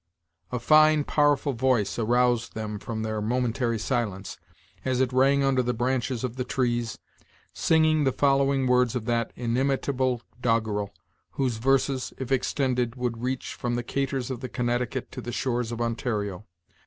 A fine, powerful voice aroused them from their momentary silence, as it rang under the branches of the trees, singing the following words of that inimitable doggerel, whose verses, if extended, would reach from the Caters of the Connecticut to the shores of Ontario.